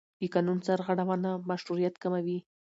د قانون سرغړونه مشروعیت کموي